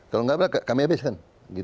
kalau nggak kami habiskan